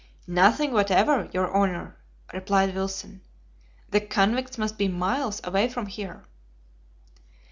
"Nothing whatever, your honor," replied Wilson. "The convicts must be miles away from here."